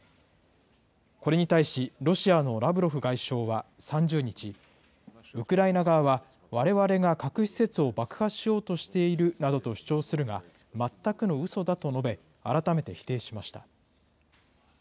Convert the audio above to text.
これに対し、ロシアのラブロフ外相は３０日、ウクライナ側はわれわれが核施設を爆破しようとしているなどと主張するが、全くのうそだと述べ、改めて否定しました。